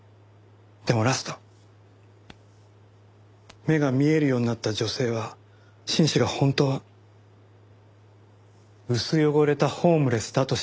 でもラスト目が見えるようになった女性は紳士が本当は薄汚れたホームレスだと知る。